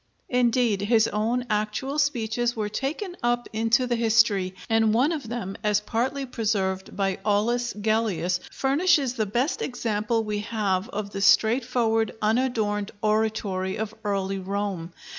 Indeed, his own actual speeches were taken up into the history, and one of them, as partly preserved by Aulus Gellius, furnishes the best example we have of the straightforward unadorned oratory of early Rome.